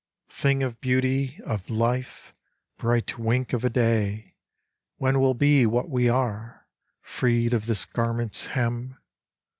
Thing of beauty, of life, Bright wink of a day When we'll be what we are Freed of this garment's hem!